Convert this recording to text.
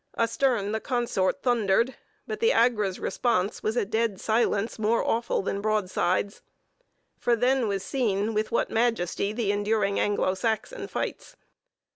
Astern the consort thundered; but the Agra's response was a dead silence more awful than broadsides. For then was seen with what majesty the enduring Anglo Saxon fights.